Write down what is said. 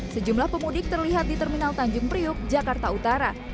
sejumlah pemudik terlihat di terminal tanjung priuk jakarta utara